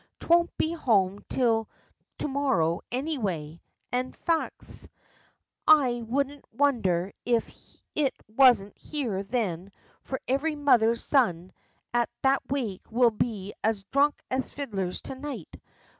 'Twon't be home till to morrow any way, an' faix, I wouldn't wondher if it wasn't here then, for every mother's son at that wake will be as dhrunk as fiddlers to night.